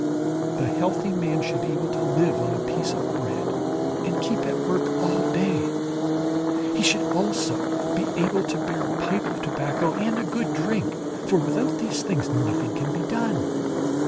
The healthy man should be able to live on a piece of bread and keep at work all day. He should also be able to bear a pipe of tobacco and a good drink; for without these things nothing can be done.